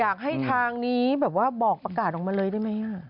อยากให้ทางนี้แบบว่าบอกประกาศออกมาเลยได้ไหม